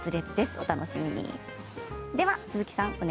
お楽しみに。